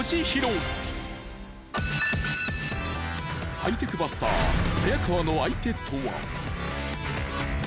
ハイテクバスター早川の相手とは？